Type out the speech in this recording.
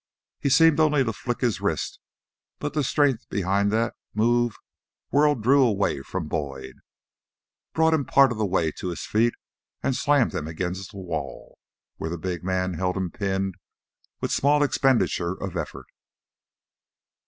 He seemed only to flick his wrist, but the strength behind that move whirled Drew away from Boyd, brought him part way to his feet, and slammed him against the wall where the big man held him pinned with small expenditure of effort.